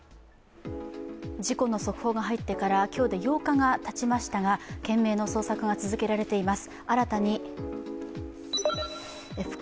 事故の速報が入ってから今日で８日がたちましたが懸命の捜索が続けられています。